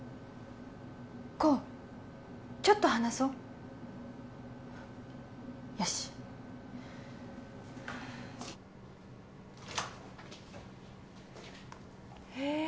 功ちょっと話そうよしへえ